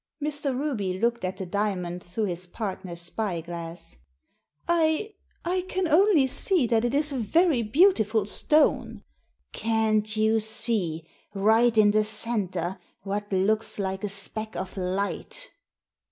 Mr. Ruby looked at the diamond through his partner's spy glass. "I — I can only see that it is a very beautiful stone." " Can't you see, right in the centre, what looks like a speck of light